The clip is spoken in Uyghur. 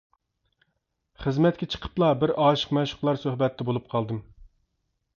خىزمەتكە چىقىپلا بىر ئاشىق-مەشۇقلار سۆھبەتتە بولۇپ قالدىم.